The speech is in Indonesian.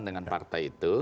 dengan partai itu